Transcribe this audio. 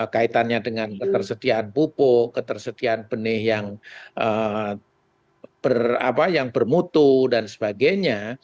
kaitannya dengan ketersediaan pupuk ketersediaan benih yang bermutu dan sebagainya